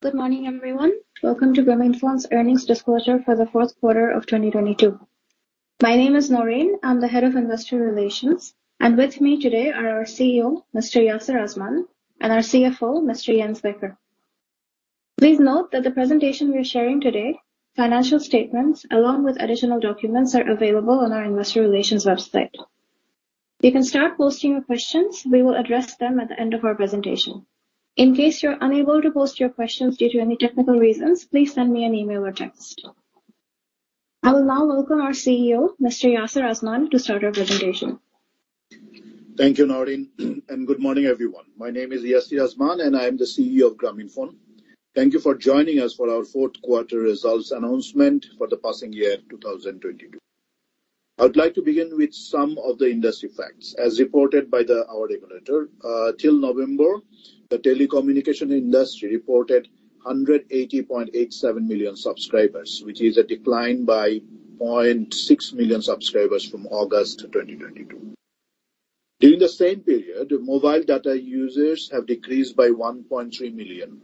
Good morning, everyone. Welcome to Grameenphone's earnings disclosure for the fourth quarter of 2022. My name is Noreen, I'm the head of investor relations. With me today are our CEO, Mr. Yasir Azman, and our CFO, Mr. Jens Becker. Please note that the presentation we are sharing today, financial statements, along with additional documents, are available on our investor relations website. You can start posting your questions. We will address them at the end of our presentation. In case you're unable to post your questions due to any technical reasons, please send me an email or text. I will now welcome our CEO, Mr. Yasir Azman, to start our presentation. Thank you, Noreen. Good morning, everyone. My name is Yasir Azman. I am the CEO of Grameenphone. Thank you for joining us for our fourth quarter results announcement for the passing year, 2022. I'd like to begin with some of the industry facts. As reported by our regulator, till November, the telecommunication industry reported 180.87 million subscribers, which is a decline by 0.6 million subscribers from August 2022. During the same period, mobile data users have decreased by 1.3 million,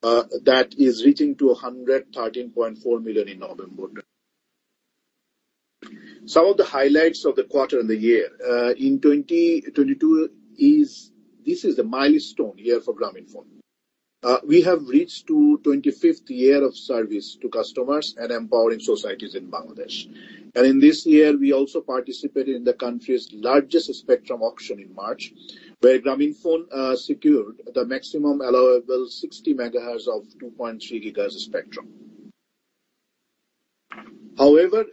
that is reaching to 113.4 million in November. Some of the highlights of the quarter and the year. In 2022, this is a milestone year for Grameenphone. We have reached to 25th year of service to customers and empowering societies in Bangladesh. In this year, we also participated in the country's largest spectrum auction in March, where Grameenphone secured the maximum allowable 60 MHz of 2.3 GHz spectrum. However,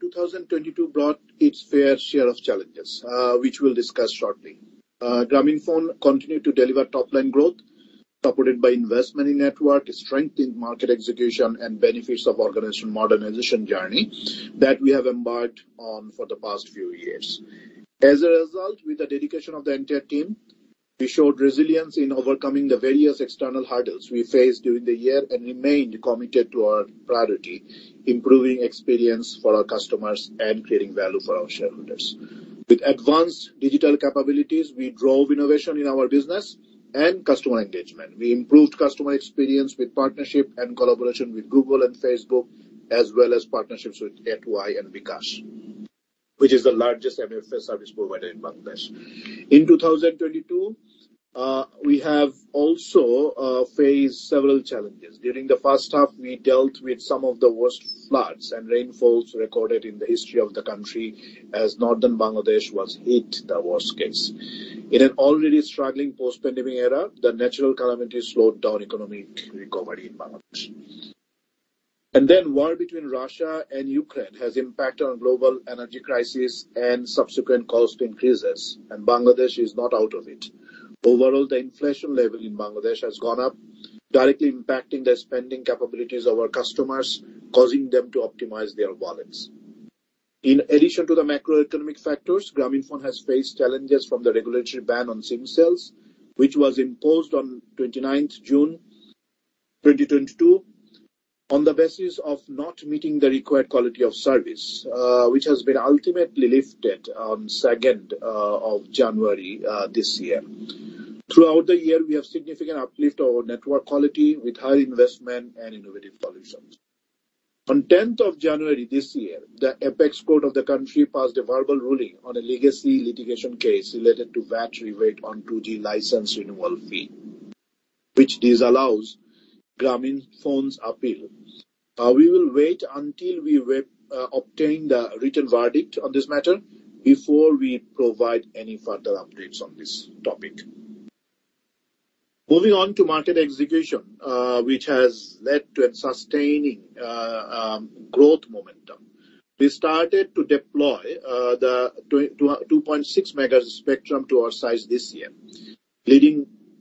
2022 brought its fair share of challenges, which we'll discuss shortly. Grameenphone continued to deliver top-line growth supported by investment in network, strengthened market execution, and benefits of organization modernization journey that we have embarked on for the past few years. As a result, with the dedication of the entire team, we showed resilience in overcoming the various external hurdles we faced during the year and remained committed to our priority, improving experience for our customers and creating value for our shareholders. With advanced digital capabilities, we drove innovation in our business and customer engagement. We improved customer experience with partnership and collaboration with Google and Facebook, as well as partnerships with a2i and bKash, which is the largest MFS service provider in Bangladesh. In 2022, we have also faced several challenges. During the first half, we dealt with some of the worst floods and rainfalls recorded in the history of the country, as northern Bangladesh was hit the worst case. In an already struggling post-pandemic era, the natural calamity slowed down economic recovery in Bangladesh. War between Russia and Ukraine has impacted on global energy crisis and subsequent cost increases, and Bangladesh is not out of it. The inflation level in Bangladesh has gone up, directly impacting the spending capabilities of our customers, causing them to optimize their wallets. In addition to the macroeconomic factors, Grameenphone has faced challenges from the regulatory ban on SIM sales, which was imposed on 29th June 2022 on the basis of not meeting the required quality of service, which has been ultimately lifted on 2nd of January this year. Throughout the year, we have significant uplift over network quality with high investment and innovative solutions. On 10th of January this year, the Apex Court of the country passed a verbal ruling on a legacy litigation case related to VAT rebate on 2G license renewal fee, which disallows Grameenphone's appeal. We will wait until we obtain the written verdict on this matter before we provide any further updates on this topic. Moving on to market execution, which has led to a sustaining growth momentum. We started to deploy the 2.6 MHz spectrum to our size this year,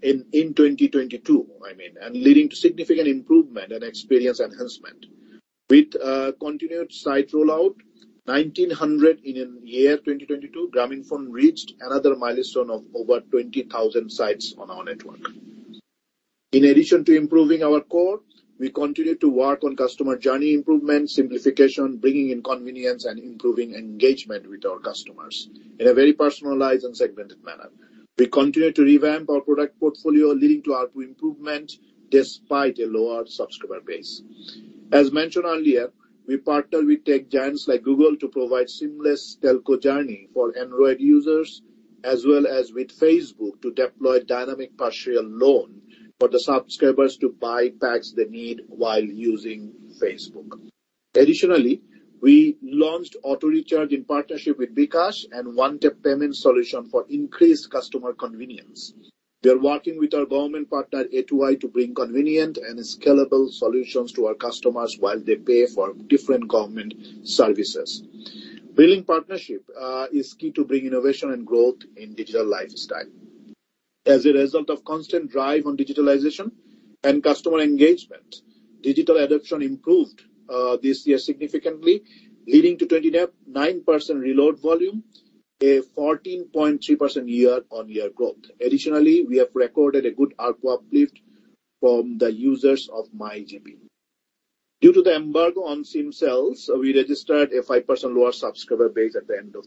in 2022, I mean, and leading to significant improvement and experience enhancement. With continued site rollout, 1,900 in year 2022, Grameenphone reached another milestone of over 20,000 sites on our network. In addition to improving our core, we continue to work on customer journey improvement, simplification, bringing in convenience, and improving engagement with our customers in a very personalized and segmented manner. We continue to revamp our product portfolio, leading to ARPU improvement despite a lower subscriber base. As mentioned earlier, we partner with tech giants like Google to provide seamless telco journey for Android users, as well as with Facebook to deploy Dynamic Partial Loan for the subscribers to buy packs they need while using Facebook. Additionally, we launched Auto-Recharge in partnership with bKash and one-tap payment solution for increased customer convenience. We are working with our government partner, a2i, to bring convenient and scalable solutions to our customers while they pay for different government services. Building partnership is key to bring innovation and growth in digital lifestyle. As a result of constant drive on digitalization and customer engagement, digital adoption improved this year significantly, leading to 29% reload volume, a 14.3% year-on-year growth. Additionally, we have recorded a good ARPU uplift from the users of MyGP. Due to the embargo on SIM sales, we registered a 5% lower subscriber base at the end of.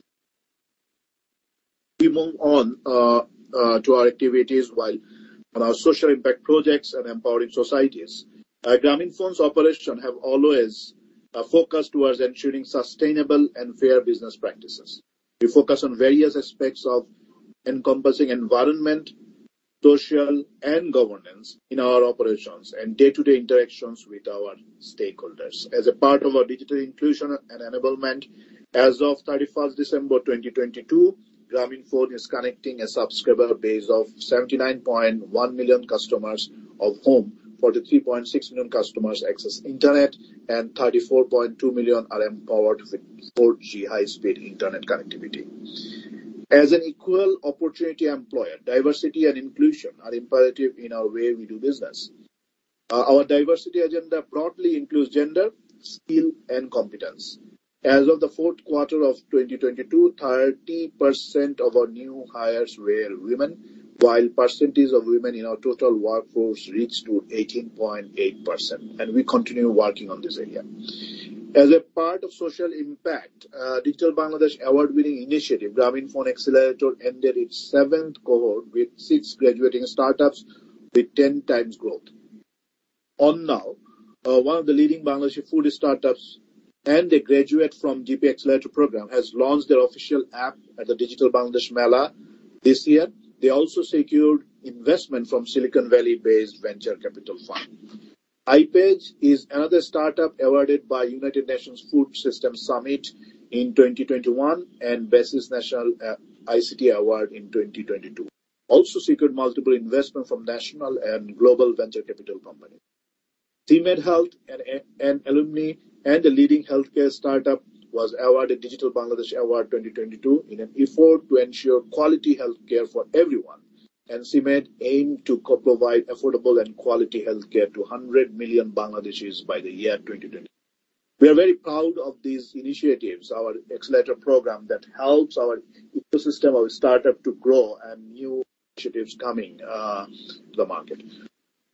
We move on to our activities while on our social impact projects and empowering societies. Grameenphone's operation have always focused towards ensuring sustainable and fair business practices. We focus on various aspects of encompassing environment, social and governance in our operations and day-to-day interactions with our stakeholders. As a part of our digital inclusion and enablement, as of 31st December 2022, Grameenphone is connecting a subscriber base of 79.1 million customers, of whom 43.6 million customers access internet and 34.2 million are empowered with 4G high-speed internet connectivity. As an equal opportunity employer, diversity and inclusion are imperative in our way we do business. Our diversity agenda broadly includes gender, skill, and competence. As of the fourth quarter of 2022, 30% of our new hires were women, while percentage of women in our total workforce reached to 18.8%, and we continue working on this area. As a part of social impact, Digital Bangladesh Award-winning initiative, Grameenphone Accelerator ended its seventh cohort with six graduating startups with 10 times growth. Onnow, one of the leading Bangladeshi food startups and a graduate from GP Accelerator program, has launched their official app at the Digital Bangladesh Mela this year. They also secured investment from Silicon Valley-based venture capital fund. iPAGE is another startup awarded by United Nations Food Systems Summit in 2021 and BASIS National ICT Awards in 2022. Also secured multiple investment from national and global venture capital company. CMED Health, an alumni and a leading healthcare startup, was awarded Digital Bangladesh Award 2022 in an effort to ensure quality healthcare for everyone. CMED aimed to co-provide affordable and quality healthcare to 100 million Bangladeshis by the year 2020. We are very proud of these initiatives, our Accelerator program that helps our ecosystem, our startup to grow and new initiatives coming to the market.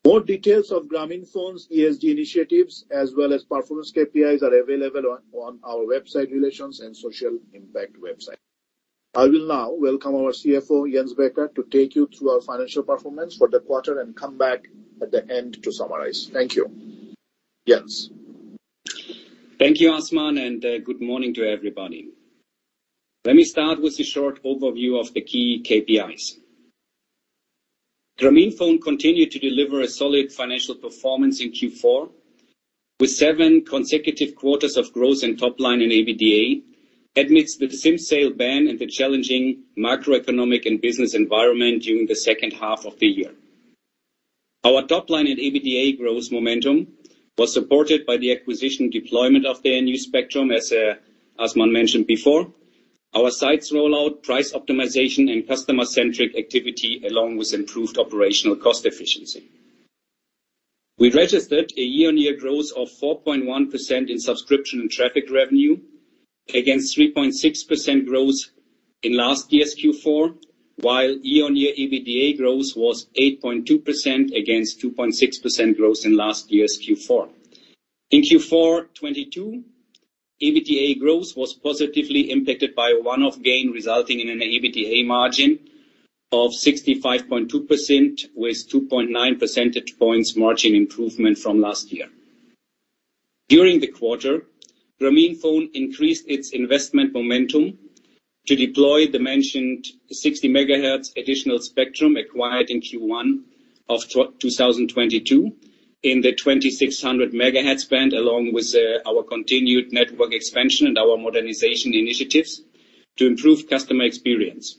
More details of Grameenphone's ESG initiatives as well as performance KPIs are available on our website relations and social impact website. I will now welcome our CFO, Jens Becker, to take you through our financial performance for the quarter and come back at the end to summarize. Thank you. Jens. Thank you, Azman, good morning to everybody. Let me start with a short overview of the key KPIs. Grameenphone continued to deliver a solid financial performance in Q4 with seven consecutive quarters of growth in top line and EBITDA amidst the SIM sale ban and the challenging macroeconomic and business environment during the second half of the year. Our top line and EBITDA growth momentum was supported by the acquisition deployment of the new spectrum, as Azman mentioned before, our sites rollout, price optimization, and customer-centric activity, along with improved operational cost efficiency. We registered a year-on-year growth of 4.1% in subscription and traffic revenue against 3.6% growth in last year's Q4, while year-on-year EBITDA growth was 8.2% against 2.6% growth in last year's Q4. In Q4 2022, EBITDA growth was positively impacted by a one-off gain, resulting in an EBITDA margin of 65.2%, with 2.9 percentage points margin improvement from last year. During the quarter, Grameenphone increased its investment momentum to deploy the mentioned 60 Mhz additional spectrum acquired in Q1 of 2022 in the 2,600 MHz band, along with our continued network expansion and our modernization initiatives to improve customer experience.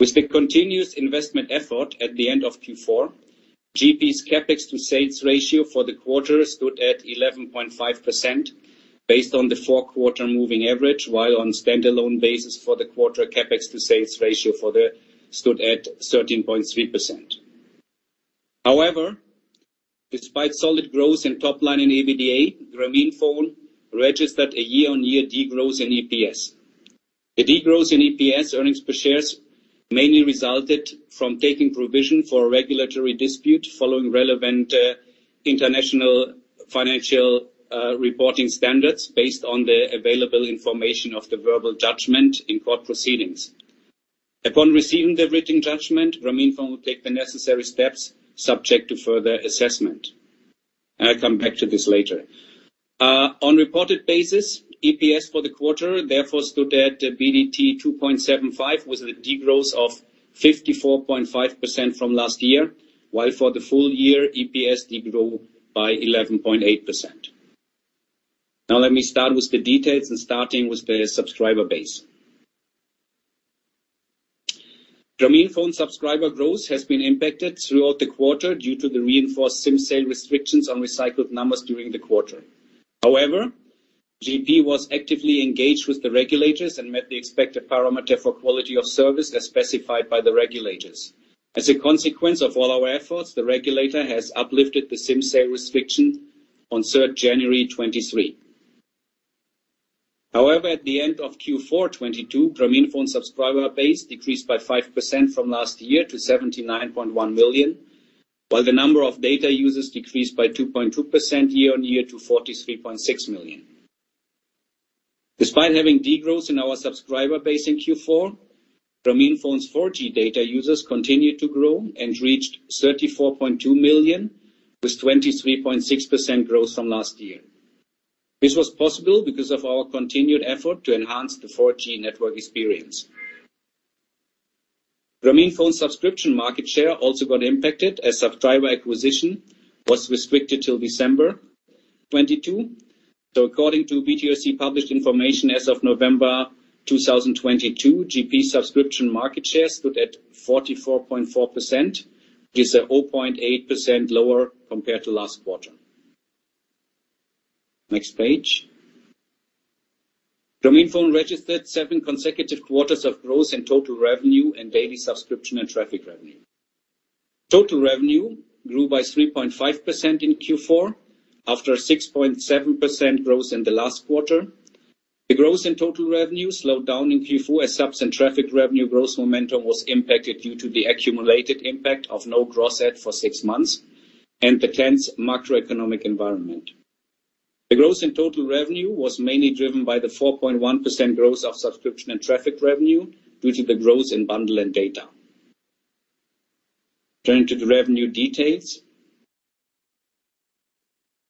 With the continuous investment effort at the end of Q4, GP's CapEx to sales ratio for the quarter stood at 11.5% based on the four-quarter moving average, while on standalone basis for the quarter CapEx to sales ratio for the... stood at 13.3%. Despite solid growth in top line and EBITDA, Grameenphone registered a year-on-year degrowth in EPS. The degrowth in EPS, earnings per shares, mainly resulted from taking provision for a regulatory dispute following relevant international financial reporting standards based on the available information of the verbal judgment in court proceedings. Upon receiving the written judgment, Grameenphone will take the necessary steps subject to further assessment. I'll come back to this later. On reported basis, EPS for the quarter therefore stood at BDT 2.75, with a degrowth of 54.5% from last year, while for the full year, EPS degrew by 11.8%. Let me start with the details. Starting with the subscriber base. Grameenphone subscriber growth has been impacted throughout the quarter due to the reinforced SIM sale restrictions on recycled numbers during the quarter. However, GP was actively engaged with the regulators and met the expected parameter for quality of service as specified by the regulators. As a consequence of all our efforts, the regulator has uplifted the SIM sale restriction on 3rd January 2023. However, at the end of Q4 2022, Grameenphone subscriber base decreased by 5% from last year to 79.1 million, while the number of data users decreased by 2.2% year-on-year to 43.6 million. Despite having degrowth in our subscriber base in Q4, Grameenphone's 4G data users continued to grow and reached 34.2 million, with 23.6% growth from last year. This was possible because of our continued effort to enhance the 4G network experience. Grameenphone subscription market share also got impacted as subscriber acquisition was restricted till December 2022. According to BTRC published information as of November 2022, GP subscription market share stood at 44.4%, which is a 0.8% lower compared to last quarter. Next page. Grameenphone registered seven consecutive quarters of growth in total revenue and daily subscription and traffic revenue. Total revenue grew by 3.5% in Q4 after a 6.7% growth in the last quarter. The growth in total revenue slowed down in Q4 as subs and traffic revenue growth momentum was impacted due to the accumulated impact of no gross add for 6 months and the tense macroeconomic environment. The growth in total revenue was mainly driven by the 4.1% growth of subscription and traffic revenue due to the growth in bundle and data. Turning to the revenue details.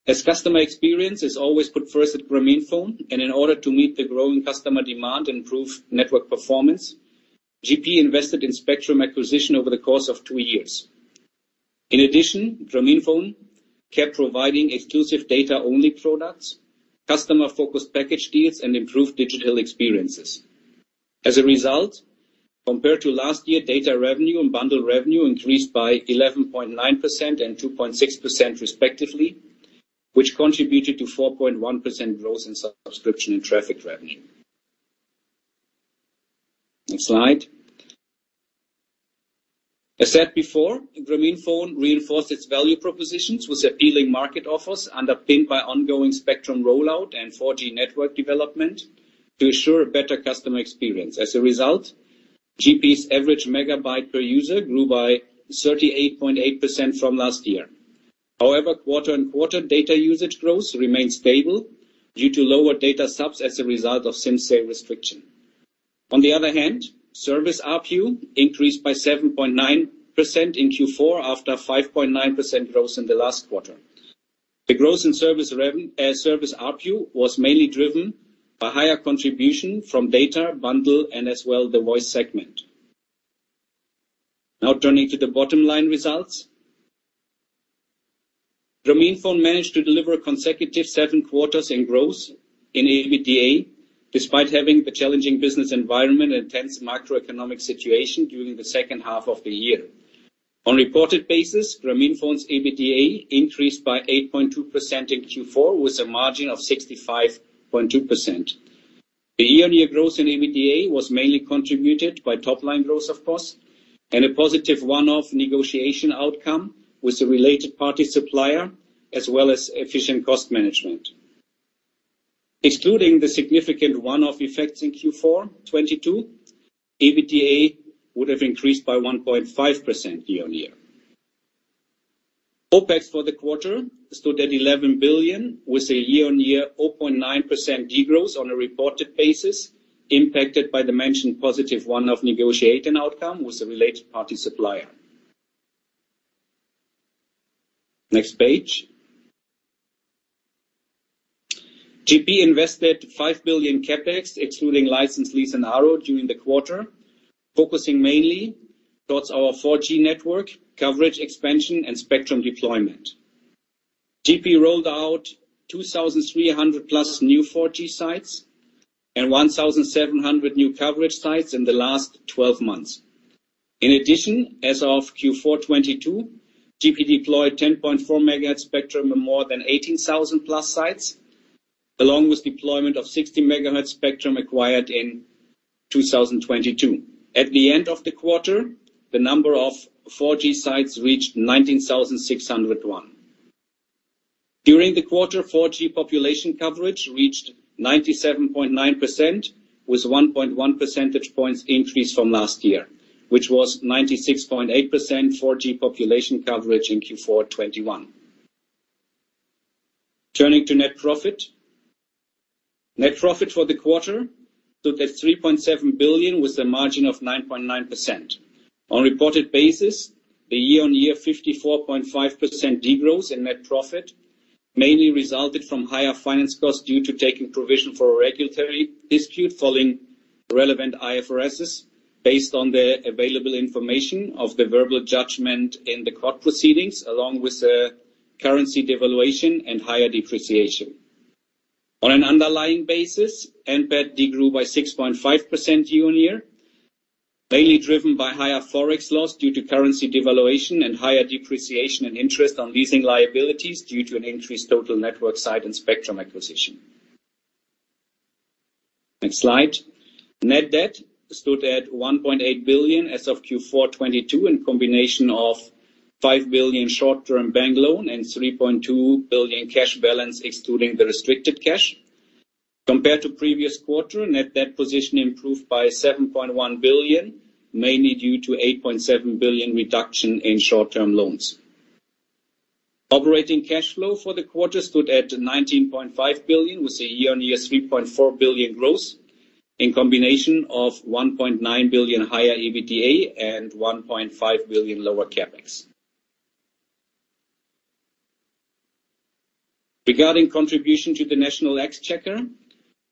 As customer experience is always put first at Grameenphone, and in order to meet the growing customer demand, improve network performance, GP invested in spectrum acquisition over the course of two years. In addition, Grameenphone kept providing exclusive data-only products, customer-focused package deals, and improved digital experiences. As a result, compared to last year, data revenue and bundle revenue increased by 11.9% and 2.6% respectively, which contributed to 4.1% growth in subscription and traffic revenue. Next slide. As said before, Grameenphone reinforced its value propositions with appealing market offers underpinned by ongoing spectrum rollout and 4G network development to ensure a better customer experience. As a result, GP's average megabyte per user grew by 38.8% from last year. However, quarter-on-quarter data usage growth remains stable due to lower data subs as a result of SIM sale restriction. Service ARPU increased by 7.9% in Q4 after 5.9% growth in the last quarter. The growth in service ARPU was mainly driven by higher contribution from data, bundle, and as well the voice segment. Turning to the bottom line results. Grameenphone managed to deliver consecutive seven quarters in growth in EBITDA, despite having a challenging business environment and intense macroeconomic situation during the second half of the year. On reported basis, Grameenphone's EBITDA increased by 8.2% in Q4, with a margin of 65.2%. The year-on-year growth in EBITDA was mainly contributed by top-line growth, of course, and a positive one-off negotiation outcome with a related party supplier, as well as efficient cost management. Excluding the significant one-off effects in Q4 2022, EBITDA would have increased by 1.5% year-on-year. OpEx for the quarter stood at BDT 11 billion, with a year-on-year 0.9% degrowth on a reported basis, impacted by the mentioned positive one-off negotiation outcome with a related party supplier. Next page. GP invested BDT 5 billion CapEx excluding license lease and RoU during the quarter, focusing mainly towards our 4G network, coverage expansion and spectrum deployment. GP rolled out 2,300+ new 4G sites and 1,700 new coverage sites in the last 12 months. In addition, as of Q4 2022, GP deployed 10.4 MHz spectrum in more than 18,000+ sites, along with deployment of 60 MHz spectrum acquired in 2022. At the end of the quarter, the number of 4G sites reached 19,601. During the quarter, 4G population coverage reached 97.9%, with 1.1 percentage points increase from last year, which was 96.8% 4G population coverage in Q4 2021. Turning to net profit. Net profit for the quarter stood at BDT 3.7 billion with a margin of 9.9%. On reported basis, the year-on-year 54.5% degrowth in net profit mainly resulted from higher finance costs due to taking provision for a regulatory dispute following relevant IFRSs based on the available information of the verbal judgment in the court proceedings, along with the currency devaluation and higher depreciation. On an underlying basis, NPAT degrew by 6.5% year-on-year, mainly driven by higher Forex loss due to currency devaluation and higher depreciation and interest on leasing liabilities due to an increased total network site and spectrum acquisition. Next slide. Net debt stood at BDT 1.8 billion as of Q4 2022, in combination of BDT 5 billion short-term bank loan and BDT 3.2 billion cash balance excluding the restricted cash. Compared to previous quarter, net debt position improved by BDT 7.1 billion, mainly due to BDT 8.7 billion reduction in short-term loans. Operating cash flow for the quarter stood at BDT 19.5 billion, with a year-on-year BDT 3.4 billion growth in combination of BDT 1.9 billion higher EBITDA and BDT 1.5 billion lower CapEx. Regarding contribution to the National Exchequer,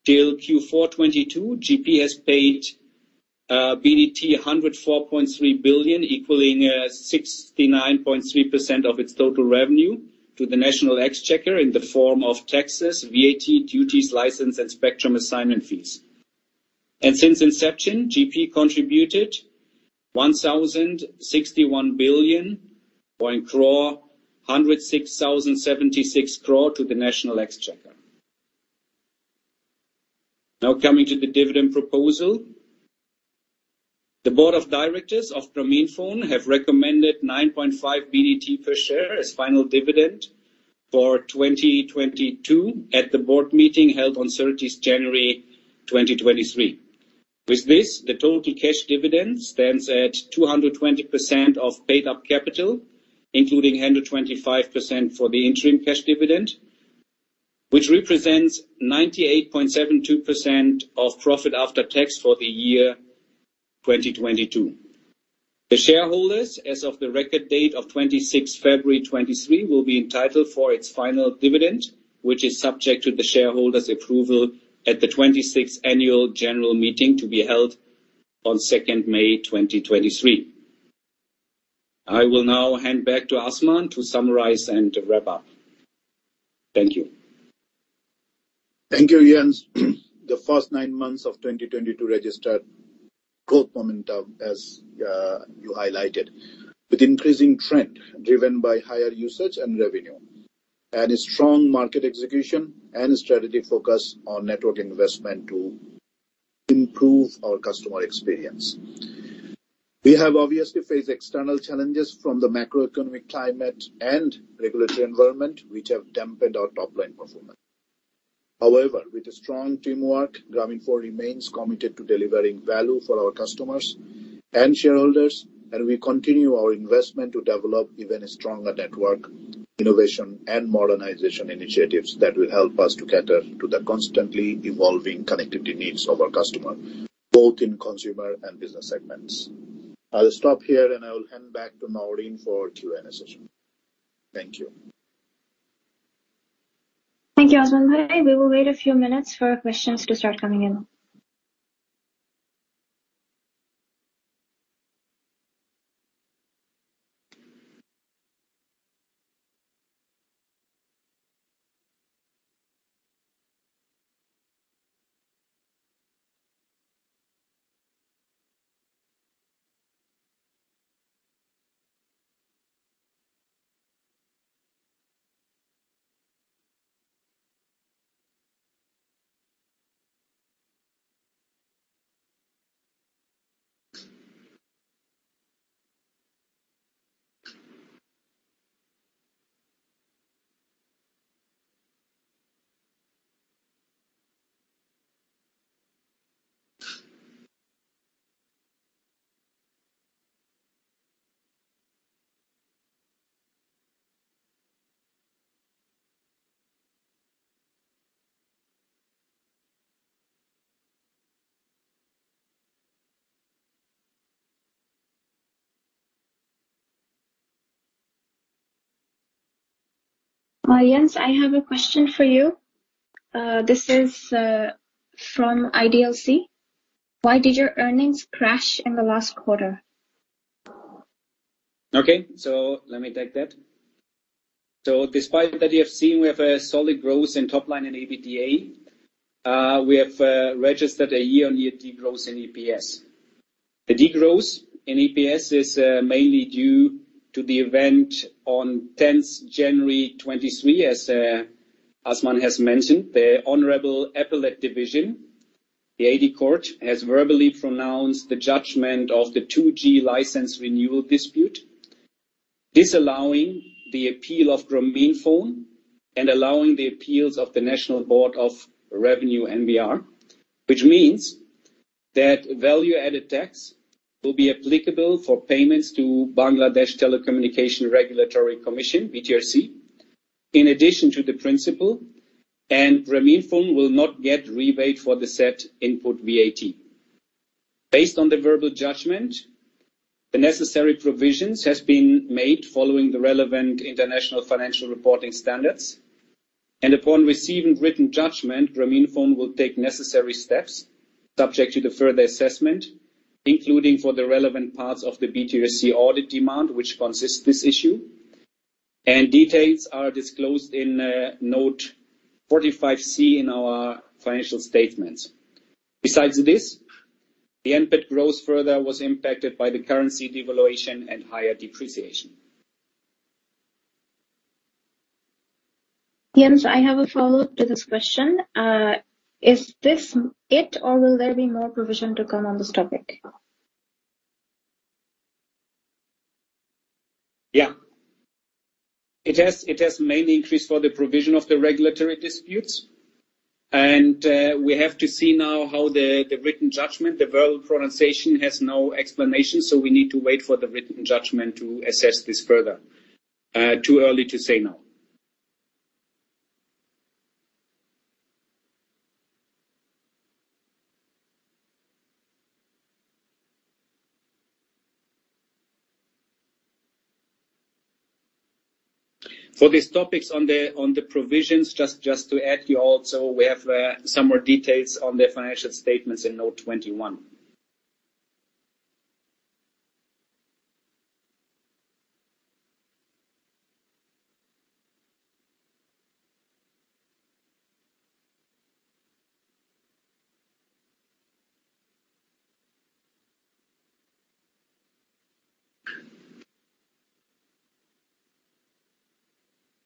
till Q4 2022, GP has paid BDT 104.3 billion, equaling 69.3% of its total revenue to the National Exchequer in the form of taxes, VAT, duties, license and spectrum assignment fees. Since inception, GP contributed BDT 1,061 billion or in crore, BDT 106,076 crore to the National Exchequer. Coming to the dividend proposal. The board of directors of Grameenphone have recommended BDT 9.5 per share as final dividend for 2022 at the board meeting held on 30th January 2023. This, the total cash dividend stands at 220% of paid up capital, including 125% for the interim cash dividend, which represents 98.72% of profit after tax for the year 2022. The shareholders, as of the record date of 26th February 2023, will be entitled for its final dividend, which is subject to the shareholders' approval at the 26th annual general meeting to be held on 2nd May 2023. I will now hand back to Azman to summarize and wrap up. Thank you. Thank you, Jens. The first nine months of 2022 registered growth momentum, as you highlighted, with increasing trend driven by higher usage and revenue, and a strong market execution and strategic focus on network investment to improve our customer experience. We have obviously faced external challenges from the macroeconomic climate and regulatory environment, which have dampened our top-line performance. However, with strong teamwork, Grameenphone remains committed to delivering value for our customers and shareholders, and we continue our investment to develop even a stronger network, innovation and modernization initiatives that will help us to cater to the constantly evolving connectivity needs of our customer, both in consumer and business segments. I'll stop here, and I will hand back to Maureen for Q&A session. Thank you. Thank you, Azman. We will wait a few minutes for questions to start coming in. Jens, I have a question for you. This is from IDLC. Why did your earnings crash in the last quarter? Okay. Let me take that. Despite that you have seen we have a solid growth in top line and EBITDA, we have registered a year-on-year degrowth in EPS. The degrowth in EPS is mainly due to the event on 10th January 2023, as Azman has mentioned. The Honorable Appellate Division, the AD court, has verbally pronounced the judgment of the 2G license renewal dispute, disallowing the appeal of Grameenphone and allowing the appeals of the National Board of Revenue, NBR. Which means that value-added tax will be applicable for payments to Bangladesh Telecommunication Regulatory Commission, BTRC, in addition to the principal, and Grameenphone will not get rebate for the said input VAT. Based on the verbal judgment, the necessary provisions has been made following the relevant International Financial Reporting Standards. Upon receiving written judgment, Grameenphone will take necessary steps subject to the further assessment, including for the relevant parts of the BTRC audit demand which consists this issue. Details are disclosed in note 45 C in our financial statements. Besides this, the NPAT growth further was impacted by the currency devaluation and higher depreciation. Jens, I have a follow-up to this question. Is this it or will there be more provision to come on this topic? Yeah. It has mainly increased for the provision of the regulatory disputes. We have to see now how the written judgment, the verbal pronunciation has no explanation, so we need to wait for the written judgment to assess this further. Too early to say now. For these topics on the provisions, just to add you also, we have some more details on the financial statements in note 21.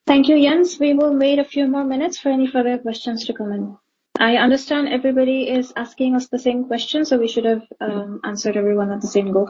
Thank you, Jens. We will wait a few more minutes for any further questions to come in. I understand everybody is asking us the same question, so we should have answered everyone at the same go.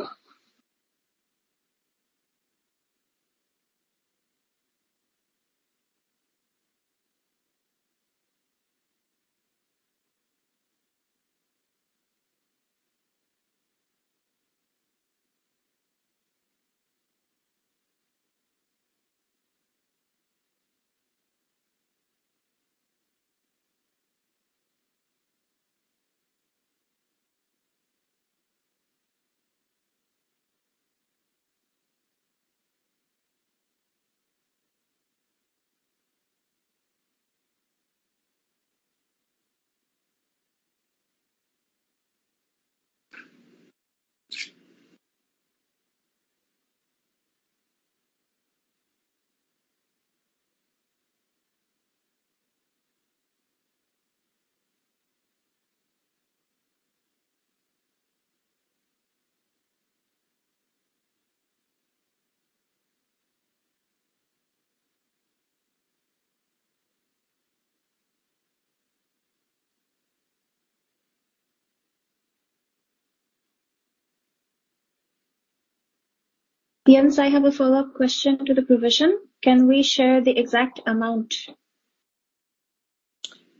Jens, I have a follow-up question to the provision. Can we share the exact amount?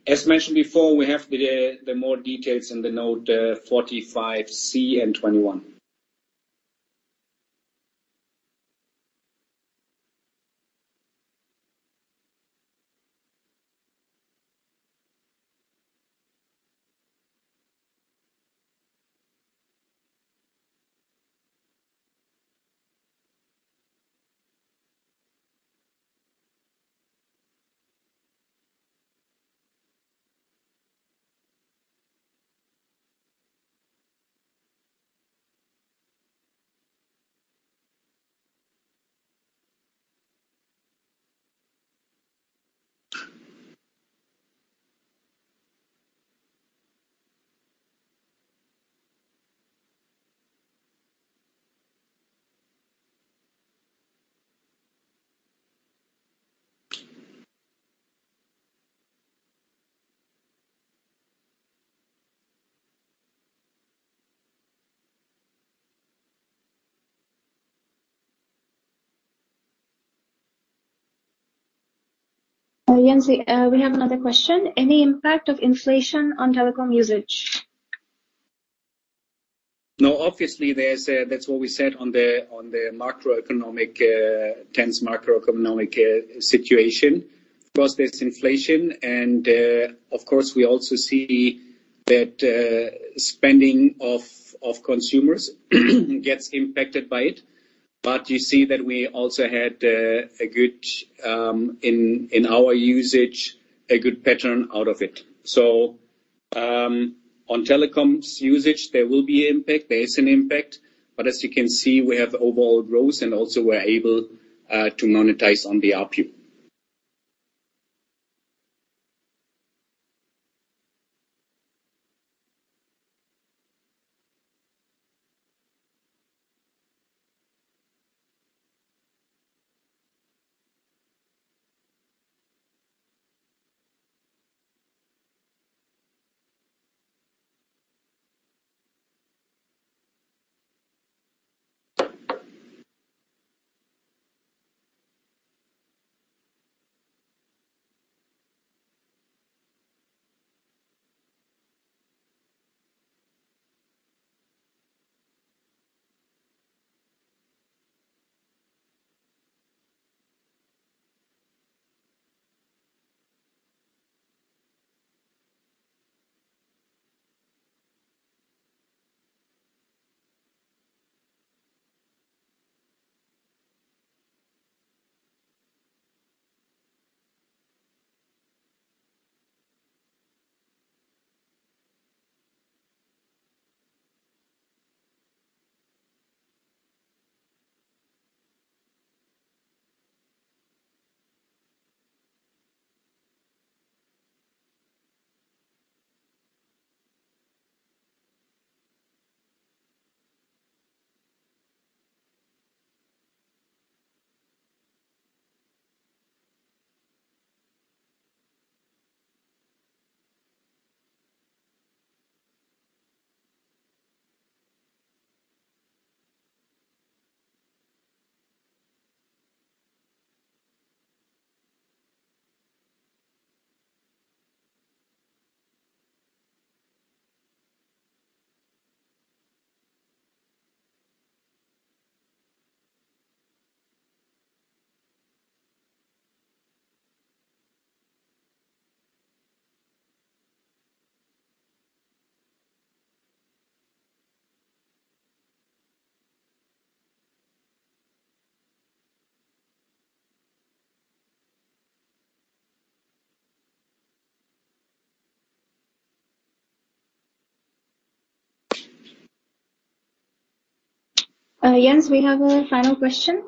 As mentioned before, we have the more details in the note, 45 C and 21. Jens, we have another question. Any impact of inflation on telecom usage? hat's what we said on the macroeconomic, tense macroeconomic situation. Of course, there's inflation, and of course, we also see that spending of consumers gets impacted by it. But you see that we also had a good, in our usage, a good pattern out of it. On telecoms usage there will be impact. There is an impact, but as you can see, we have overall growth and also we're able to monetize on the ARPU. Jens, we have a final question.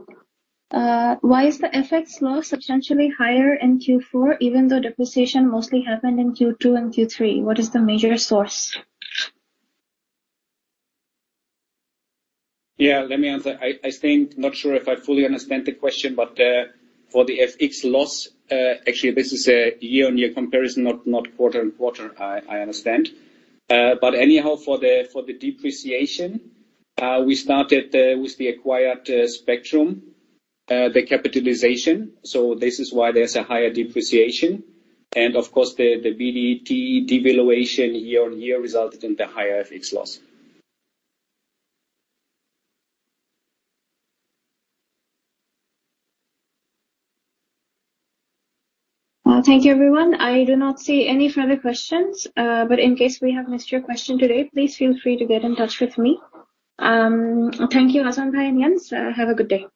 Why is the FX loss substantially higher in Q4 even though depreciation mostly happened in Q2 and Q3? What is the major source? Yeah, let me answer. I think, not sure if I fully understand the question, but for the FX loss, actually this is a year-on-year comparison, not quarter-on-quarter, I understand. But anyhow, for the depreciation, we started with the acquired spectrum, the capitalization, so this is why there's a higher depreciation. Of course, the BDT devaluation year-on-year resulted in the higher FX loss. Well, thank you everyone. I do not see any further questions. In case we have missed your question today, please feel free to get in touch with me. Thank you, Hasan Bhai and Jens. Have a good day.